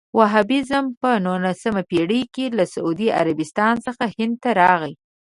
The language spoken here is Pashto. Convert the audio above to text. وهابیزم په نولسمه پېړۍ کې له سعودي عربستان څخه هند ته راغی.